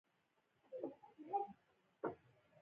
کلاسیک لېبرال برابرو حقوقو استدلال کوي.